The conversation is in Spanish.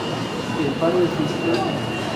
El faro es visitable.